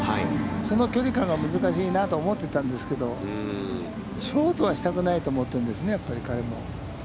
その距離感が難しいなと思ってたんですけど、ショートはしたくないと思ったんですね、やっぱり彼も。